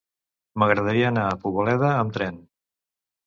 M'agradaria anar a Poboleda amb tren.